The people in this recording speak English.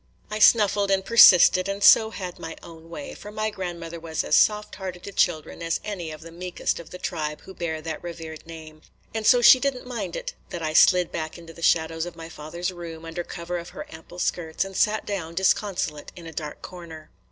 I snuffled and persisted, and so had my own way, for my grandmother was as soft hearted to children as any of the meekest of the tribe who bear that revered name; and so she did n't mind it that I slid back into the shadows of my father's room, under cover of her ample skirts, and sat down disconsolate in a dark corner.